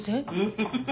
フフフ。